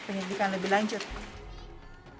penyelidikan lebih lanjut